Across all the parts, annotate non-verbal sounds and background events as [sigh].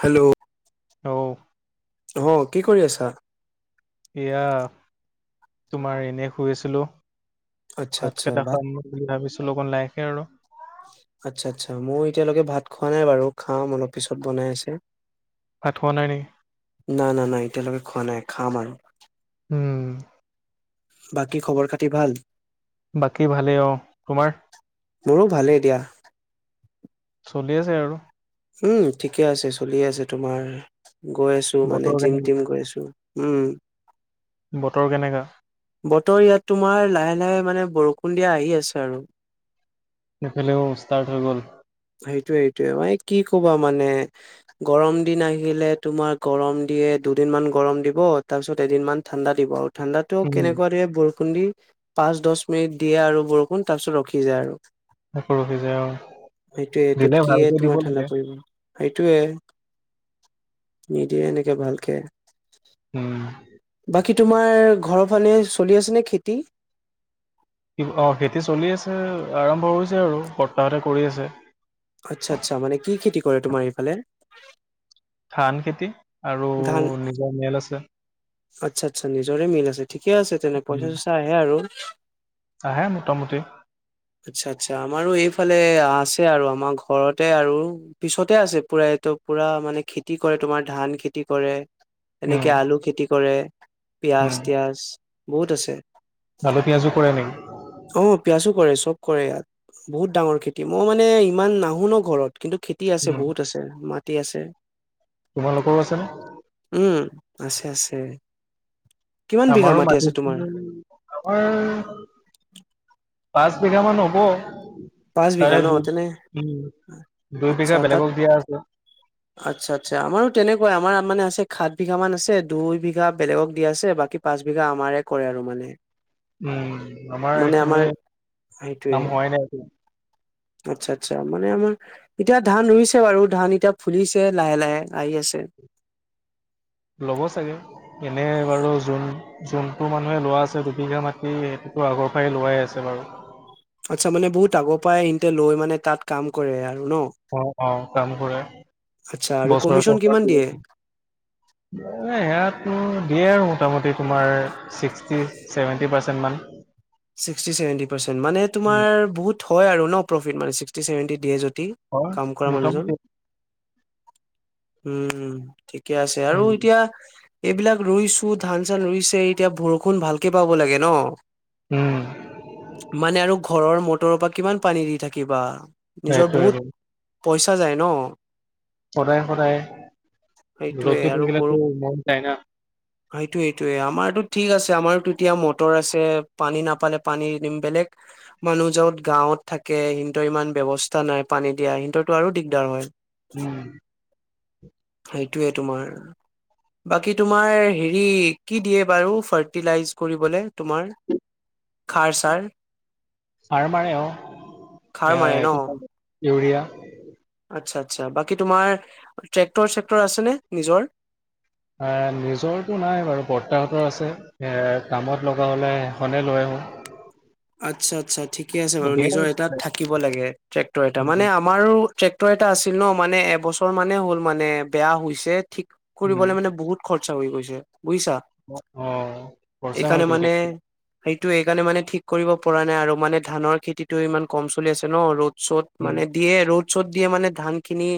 Hello. লওঁ আহ কি কৰি আছা? এইয়া তোমাৰ এনে শুই আছিলো। আচ্ছা আচ্ছা ভাতকেইটা ভাত খাম বুলি ভাবিছিলো [unintelligible] কে আৰু আচ্ছা আচ্ছা মই এতিয়ালৈকে ভাত খোৱা নাই বাৰু খাম অলপ পিছত বনাই আছে। ভাত খোৱা নাই নেকি? নাই না নাই এতিয়ালৈকে খোৱা নাই। খাম আৰু। উম। বাকী খবৰ-খাতি ভাল? বাকী ভালেই অ, তোমাৰ? মোৰো ভালেই দিয়া। চলি আছে আৰু। উম, ঠিকে আছে চলি আছে তোমাৰ গৈ আছো মানে বতৰ কেনে জিম-টিম গৈ আছো উম। বতৰ কেনেকা? বতৰ ইয়াত তোমাৰ লাহে লাহে মানে বৰষুণ দিয়া আহি আছে আৰু। [unintelligible] লেও ষ্টাৰ্ট হৈ গ'ল। সেইটোয়ে- সেইটোয়ে মানে কি কবা মানে গৰম দিন আহিলে তোমাৰ গৰম দিয়ে দুদিন মান গৰম দিব তাৰপিছত এদিন মান ঠাণ্ডা দিব আ ঠাণ্ডাতো উম কেনেকুৱা দিয়ে ব খুন দি পাঁচ দহ মিনিট দিয়ে আৰু বৰষুণ তাৰ পিছত ৰখি যায় আৰু। [unintelligible] সেইটোয়েটো, দিলে কিয়ে ভালকে দিব তোমাৰ ঠাণ্ডা লাগে পৰিব সেইটোয়ে। নিদিয়ে এনেকে ভালকে। উম। কি তোমাৰ ঘৰৰ ফালে চলি আছে নে খেতি। অ খেতি চলি আছে আৰম্ভ হৈছে আৰু বৰ্তাহতে কৰি আছে। আটচা- আটচা মানে কি খেতি কৰে তোমাৰ সেইফালে। ধান খেতি। আৰু নিজৰ মেল আছে। আটছা-আটছা নিজৰে মিল আছে। ঠিকে আছে তেনে উম পইচাটো ছয়ছা আহে আৰু। আহে মোটামুটি আটছা- আটছা আমাৰো এইফালে আছে আৰু আমাৰ ঘৰতে আৰু পিছতে আছে পুৰা এইটো পুৰা মানে খেতি কৰে তোমাৰ ধান খেতি কৰে। উম এনেকে আলু খেতি কৰে। পিয়াজ উম। তিয়াজ। বহুত আছে। আলু পিঁয়াজো কৰে নেকি। অ', পিঁয়াজো কৰে চব কৰে ইয়াত, বহুত ডাঙৰ খেতি, মই মনে ইমান নাহোঁ ন ঘৰত। কিন্তু খেতি আছে, উম বহুত আছে মাটি আছে। তোমালোকৰো আছে নে? উম, আছে-আছে। উম। আমাৰো মাটি [unintelligible] আমাৰ পাঁচ বিঘা মান হ'ব। পাঁচ তাৰে বিঘা ন, দুই তেনে উম দুই বিঘা আচ্ছা তাত বেলেগক দিয়া আছে আচ্ছা-আচ্ছা, আমাৰো তেনেকুৱাই আমাৰ মানে আছে সাত বিঘা মান আছে, দুই বিঘা বেলেগক দিয়া আছে বাকী পাঁচ বিঘা আমাৰে কৰে আৰু মানে। উম, আমাৰ এইখিনি সেইটোয়ে কাম হোৱাই নাই একো। আচ্ছা- আচ্ছা মানে আমাৰ এতিয়া ধান ৰুইছে বাৰু ধান এতিয়া ফুলিছে লাহে- লাহে আহি আছে। ল'ব চাগে, এনেই বাৰুো যোন জোনটো মানুহে লোৱা আছে দুবিঘা মাটি, সেইটোতো আগৰ পাই লোৱাই আছে বাৰু। আচ্ছা, মানে বহুত আগৰ পৰাই ইহতে লৈ মানে তাত কাম কৰে আৰু। ন অ'-অ', কাম কৰে, আচ্ছা আৰু কমিশন বছৰেকত কিমান দিয়ে [unintelligible] সেয়া দিয়ে আৰু। মোটামুটি তোমাৰ ছিক্সটি ছেভেণ্টি পাৰ্চেণ্ট মান। ছিক্সটি ছেভেনটি পাৰচেন্ত, মানে উম, তোমাৰ বহুত হয় আৰু ন প্ৰফিট মানে ছিক্সটি চেভেনটি দিয়ে যদি। হয় কাম কৰা মানুহজন মোটামুটি উম। ঠিকে আছে আৰু উম এতিয়া এইবিলাক ৰুইছো ধান- চান ৰুইছে এতিয়া বৰষুণ ভালকে পাব লাগে ন। উম মানে আৰু ঘৰৰ ম বতৰৰ পৰা কিমান পানী দি থাকিবা নিজৰ সেইটো বহুত পইচা যায় ন সদায় সেইটোৱে ৰ'দটো আৰু বষ থাকিলেতো মন যায় না। সেইটো সেইটোয়ে আমাৰতো ঠিক আছে আমাৰো এতিয়া মটৰ আছে পানী নাপালে পানী দিম বেলেগ মানুহ যত গাঁৱত থাকে সিহতৰ ইমান ব্যয়ৱস্থা নাই পানী দিয়া সিহঁতৰতো আৰু দিগদাৰ হয় উম সেইটোৱে তোমাৰ বাকী তোমাৰ হেৰি কি দিয়ে বাৰু ফাৰ্টিলাইজ কৰিবলৈ তোমাৰ খাৰ ছাৰ চাৰ মাৰে খাৰ অ মাৰে এটো ন ইউৰিয়া আচ্ছা আচ্ছা বাকী তোমাৰ ট্ৰেক্টৰ চেক্টৰ আছে নে নিজৰ নিজৰটো নাই বাৰু বৰ্তাহতৰ আছে কামত লগা হ'লে এইখনেই লৈ আহোঁ আতচা আতচা থে আছে বাৰু নিজৰ এটাত থাকিব লাগে ট্ৰেক্টৰ এটা মানে উম আমাৰো এটা আছিল ন মানে এবছৰ মানে হ'ল মানে বেয়া হৈছে ঠিক উম কৰিবলে মানে বহুত খৰ আচ্ছা হৈ গৈছে। বুজিছা অ', খৰচা হয়তো টো এই কাৰণে মানে ঠিক কৰিব পৰা নাই আৰু মানে ধানৰ খেতিটো ইমান কম চলি আছে ন' ৰ'দ চ'ত উম মানে দিয়ে ৰ'দ চত দিয়ে মানে ধানখিনি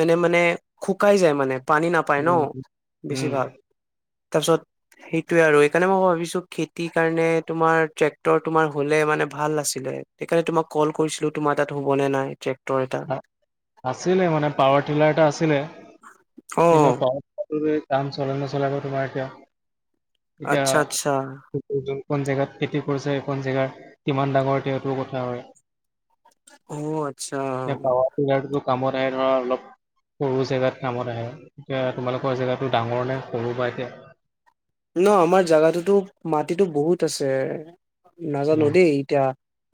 মানে মানে শুকাই যায় মানে। পানী নাপায় উম উম ন' বেছি উম, ভাল। তাৰপিছত সেইটোৱে আৰু সেইকাৰণে মই ভাবিছো খেতিৰ কাৰণে তোমাৰ ট্ৰে টৰ তোমাৰ হ'লে মানে ভাল আছিলে সেইকাৰণে তোমাক কল কৰিছিলো তোমাৰ তাত হ'ব নে নাই। ট্ৰেক্টৰ এটা আছিলে মানে পাৱাৰ টিলাৰটা আছিলে অ কিন্তু পাৱাৰ টিলাৰটো কাম চলেই নচলাব তোমাৰ এতিয়া। আচ্ছা, আচ্ছা। এখন জেগাত খেতি কৰিছে, এইখন জেগাৰ কিমান ডাঙৰ তেওঁটো কথা হয়। অ', আচ এই প্ৰ গ কামত আহে ধৰা অলপ সৰু জেগাত কামত আহে এতিয়া তোমালোকৰ জেগাতো ডাঙৰ নে সৰু বা এতিয়া। ন আমাৰ জাগাটোতো মাটিতো বহুত আছে। নাজানো উম। দেই এতিয়া।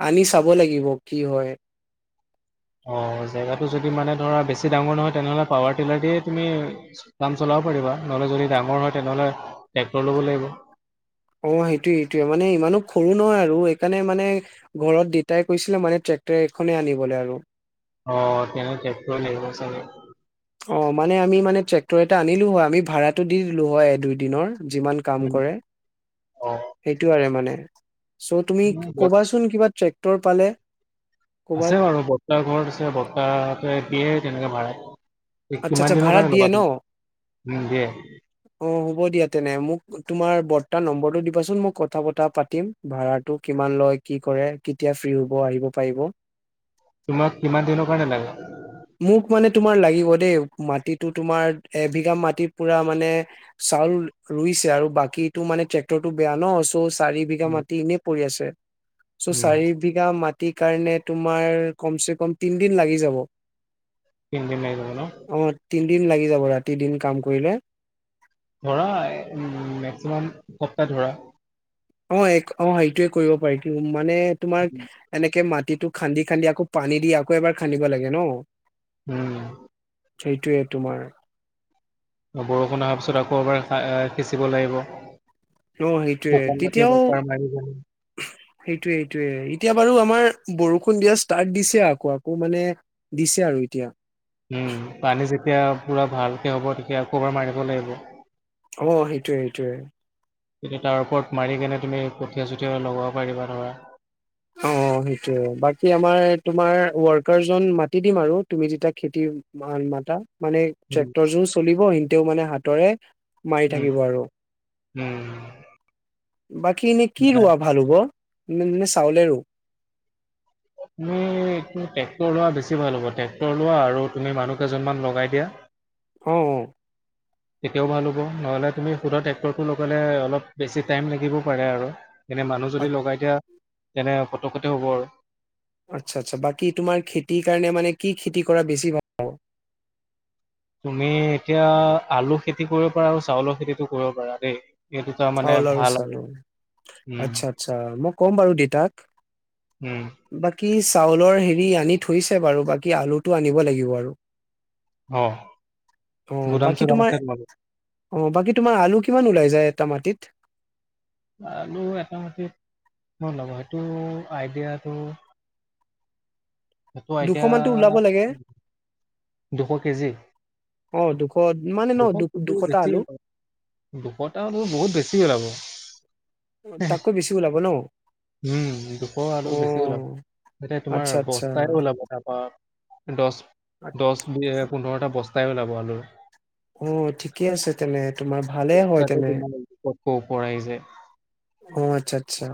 আনি চাব লাগিব কি হয়। অ' জেগাটো যদি মানে ধৰা বেছি ডাঙৰ নহয় তেনেহ'লে পাৱাৰ টিলাৰ দিয়ে তুমি কাম চলাব পাৰিবা, নহ'লে যদি ডাঙৰ হয় তেনেহ'লে ট্ৰেক্টৰ ল'ব লাগিব। অ' সেইটোৱে সেইটোৱে মানে ইমানো সৰু নহয় আৰু, সেইকাৰণে মানে ঘৰত দেতাই কৈছিলে মানে ট্ৰেক্টৰ এখনে আনিবলৈ আৰু। অ' তেনে ট্ৰৈক্টৰ লাগিব চাগে। অ' মানে আমি মানে ট্ৰেক্টৰ এটা আনিলো হয় আমি ভাড়াটো দি দিলো হয় দুই দিনৰ। যিমান কাম উম কৰে অ সেইটো আৰু মানে। [inaudible] চ' তুমি উম, ব ক'বাচোন কিবা ট্ৰেক তৰ, পালে। আছে ক'বাত বাৰু বৰ্তা ঘৰত আছে, বৰ্তা [unintelligible] [unintelligible] আচ্ছা কিমান আচ্ছা দিনৰ ভাড়াত কাৰণে দিয়ে ল'বা ন তুমি? উম, দিয়ে। হ'ব অ', দিয়া তেনে মোক তোমাৰ বৰ্তাৰ নম্বৰটো দিবাচোন, মই কথা বতৰা পাৰিম, ভাড়াটো কিমান লয়, কি কৰে, কেতিয়া ফ্ৰী হ'ব আহিব পাৰিব। তোমাক কিমান দিনৰ কাৰনে লাগে? মোক মানে তোমাৰ লাগিব দেই, মাটিতো তোমাৰ এবিঘা মাটিত পুৰা মানে চাউল ৰুইছে আৰু বাকীটো মানে ট্ৰেক্টৰটো বেয়া ন ত' চাৰি বিঘা মাটি এনেই পৰি আছে। চ' উম চাৰি বিঘা মাট টি, কাৰণে তোমাৰ কমচে কম তিনি দিন লাগি যাব। তিনদিন‌ লাগি যাব ন? অ', তিনদিন লাগি যাব, ৰাতি, দিন কাম কৰিলে। ধৰা উম, মেক্সিমাম দুসপ্তাহ ধৰা। অ', এক অ', এইটোয়ে কৰিব পাৰি কি মানে তোমাক এনেকে মাট মাটিটো খান্দি, খান্দি আকৌ পানী দি আকৌ এবাৰ খান্দিব লাগে ন? উম। সেইটোৱে তোমাৰ বৰষুণ অহাৰ পিছত আকৌ আ, এবাৰ সিঁচিব লাগিব। অ', সেইটোয়ে শুকান মাটিত তেতিয়াও এবাৰ মাৰি দিম। সেইটোয়ে, সেইটোয়ে এতিয়া বাৰু আমাৰ বৰষুণ দিয়া ষ্টাৰ্ট দিছে আকৌ, আকৌ মানে দিছে আৰু এতিয়া। উম, পানী যেতিয়া পুৰা ভালকে হ'ব আকৌ এবাৰ মাৰিব লাগিব। অ', সেইটোৱে, সেইটোৱে। তেতিয়া তাৰ ওপৰত মাৰি কেনে তুমি কঠীয়া চঠীয়া লগাব পাৰিবা ধৰা। অ', সেইটোয়ে বাকী আমাৰ, তোমাৰ ৱৰ্কাৰজন মাতি দিম আৰু তুমি যেতিয়া খেতি মাতা মানে উম ট্ৰেক্টৰ যে চলিব এ। তেওঁ মানে হাতৰে মাৰি উম থাকিব আৰু উম। বাকী এনে কি মানে ৰোৱা ভাল হ'ব নি নিশ্চ তাউলেৰো আমি ট্ৰেক্টৰ লোৱা বেছি বেছি ভাল হ'ব ট্ৰেক্টৰ লোৱা আৰু তুমি মানুহ কেইজনমান লগাই দিয়া অ অ তেতিয়াও ভাল হ'ব নহ'লে তুমি সুদা টেক্ট্ৰৰটো লগলে অলপ বেছি টাইম লাগিব পাৰে আৰু এনে মানুহ অ যদি লগাই দিয়া তেনে পটকতে হ'ব আৰু আচ্ছা আচ্ছা বাকী তোমাৰ খেতিৰ কাৰণে মানে কি খেতি কৰা বেছি ভাল হ'ব তুমি এতিয়া আলু খেতি কৰিব পাৰা আৰু চাউলৰ খেতিটো কৰিব পাৰা দেই এই দুটা মানে আউল আৰু ভাল চালো উম আচ্ছা আচ্ছা মোক ক'ম বাৰু দেউতাক উম কি চাউলৰ হেৰি আনি থৈছে বাৰু বাকী আলুটো আনিব লাগিব আৰু অ অ গুদাম বাকী চুদাম তোমাৰ আছে তোমালোকৰ? অ বাকী তোমাৰ আলু কিমান ওলাই যায় [unintelligible] মাটিত আৰু এটা মাটিত মোৰ লগ সেইটো আইডিয়াটো সেইটো আই দুশ মানতো ওলাব লাগে [unintelligible] দুশ কেজি? অ, দুশ মানে ন দুশ দু কেজি দুশটা বেছি আলু ওলাব দুশটা বহুত বেছি ওলাব হে -হে তাতকৈ বেছি ওলাব ন উম, দুশ আৰু অ বেছি ওলাব এতিয়া তোমাৰ আচ্ছা আচ্ছা বস্তাই ওলাব তাৰপা দছ- দছ বিয়ে পোন্ধৰটা বচ [unintelligible] আলুৰ অ, ঠিকে আছে তেনে। তোমাৰ ভালে হয় তেনে [unintelligible] ক'ৰ আহিযে? অ, আচ্ছা-আচ্ছা।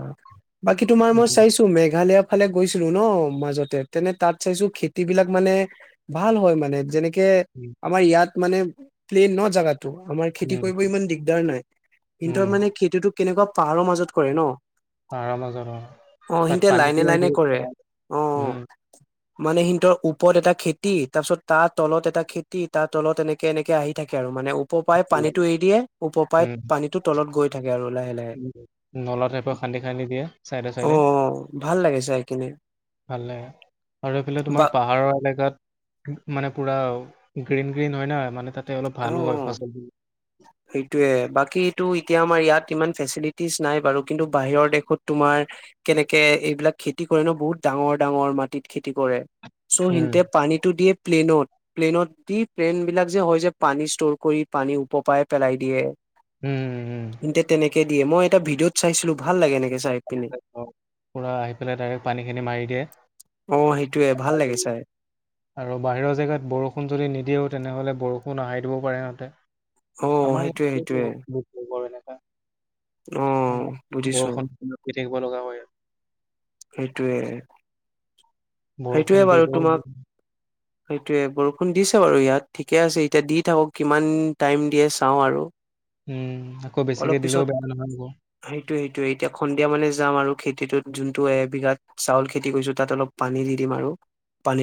বাকী তোমাৰ মই উম চাইছো মেঘালেয়া ফালে গৈছিলো ন' মাজতে তেনে তাত চাইছো খেতি বিলাক মানে ভাল হয় মানে যেনেক কে উম আমাৰ ইয়াত মানে প্লেন ন' জাগাত ত' আমাৰ খেতি উম কৰিব ইমান দিগদাৰ নাই। কিন্তু উম, মানে খেতিতো কেনেকুৱা পাহাৰৰ মাজত কৰে ন। পাৰ মাজত অ সিহঁতে তাত পানী লাইনে লাইনে পাই কৰে অ উম। মানে সিহঁতৰ ওপৰত এটা খেতি তাৰপিছত তাৰ তলত এটা খেতি তাৰ তলত এনেকে-এনেকে আহি থাকে আৰু মানে উপপায় পানীটো এৰি দিয়ে উম, উপপায়ত পানীটো তলত গৈ থাকে আৰু লাহে লাহে নলা টাইপৰ খান্দি-খান্দি দিয়ে চাইডে অ চাইডে ভাল লাগে চাই কিনে ভালে আৰু এইফালে তোমাৰ বা পাহাৰৰ এলেকাত মানে পুৰা গ্ৰীণ-গ্ৰীণ হয় নহয় মানে তাত অ সেইটয়ে বাকী এটো এতিয়া আমাৰ ইয়াত ইমান ফেচিলিটিজ নাই বাৰু কিন্তু বাহিৰৰ দেশত তোমাৰ কেনেকে এইবিলাক খেতি কৰে ন বহুত ডাঙৰ ডাঙৰ মাটিত খেতি কৰে। চ' উম, সিতে পানীটো দিয়ে প্লেনত-প্লেনত দি প্লেন বিলাক যে হয় যে পানী ষ্টৰ কৰি পানী ওপৰপায় পেলাই দিয়ে। উম, উম। উম। হিন্তে তেনেক মই এটা ভিডিঅত চাইছিলো ভাল লাগে নক আহি পেলাই ডাইৰেক্ট পানীখিনি মাৰি দিয়ে। অ সেইটোয়ে ভাল লাগে চাই আৰু বাহিৰৰ জেগাত বৰষুণ যদি নিদিওঁ তেনেহ'লে বৰষুণ আহাই দিব পাৰে সিহঁতে। অ আমাৰ অহ বুজিছোঁ। দেখিব লগা হয়। সেইটোৱে। বৰষুণ দিলেও সেইটোয়ে বৰষুণ দিছে বাৰু ইয়াত ঠিকে আছে এতিয়া দি থাকক কিমান টাইম দিয়ে চাওঁ আৰু। উম, আকৌ বেছিকে অলপ দিলেও পিছত বেয়া নহয় আকৌ। সেইটোয়ে সেইটোয়ে এতিয়া সন্ধিয়া মানে যাম আৰু। খেটোত যোনটো এবিঘাত চাউল খেতি কৰিছো তাত অলপ পানী দি দিম আৰু।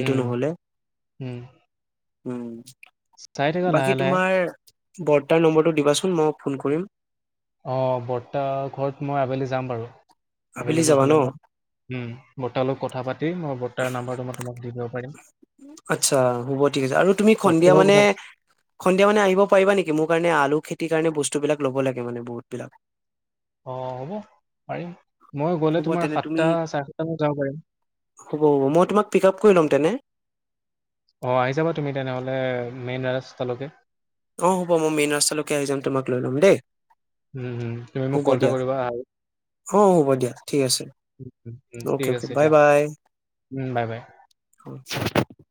উম, নহলে। উম। উম। চাই থকা বাকী লাহে লাহে। তোমাৰ বৰ্তাৰ নম্বৰটো দিবাচোন মই ফোন কৰিম। অ বৰ্তা ঘৰত মই আবেলি যাম বাৰু। আবেলি গৈ যাবা ন পেলাই মই উ বৰ্তাৰ লগত কথা পাতি মই বৰ্তাৰ নাম্বাৰটো মই তোমাক দি দিব পাৰিম। আচ্ছা হ'ব ঠিক আছে আৰু তুমি সন্ধিয়া মানে অ' সন্ধিয়া মানে আহিব পাৰিবা নেকি মোৰ কাৰণে আলু খেতি কাৰণে বস্তুবিলাক ল'ব লাগে মানে বহুত বিলাক। অ হ'ব পাৰিম। মই গ'লে হ'ব তোমাৰ তেনে তুমি সাতটা চাৰে সাতটা মানত যাব পাৰিম। হ'ব হ'ব মই তোমাক পিক আপ কৰি লম তেনে। অ আহি যাবা তুমি তেনেহলে মেইন ৰাস্তালৈকে। অ হ'ব মই মেইন ৰাস্তালৈকে আহি যাম তোমাক লৈ ল'ম দেই। উম, উম, তুমি মোক হ'ব কল এটা দিয়া কৰিবা আৰু। অ হ'ব দিয়া ঠিক আছে। উম, উম, উম। অ'কে ঠিক অ'কে আছে বাই দিয়া। বাই। উম, বাই বাই। [unintelligible]